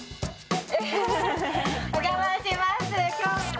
お邪魔します。